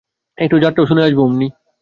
একটু যাত্রাও শুনে আসবি আমনি।